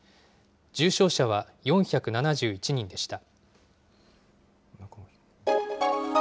重症者は４７１人でした。